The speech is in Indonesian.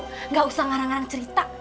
udah deh bu gak usah ngarang ngarang cerita